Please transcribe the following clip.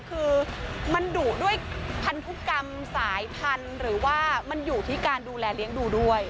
พันธุกรรมสายพันธุ์หรือว่ามันอยู่ที่การดูแลเลี้ยงดูด้วย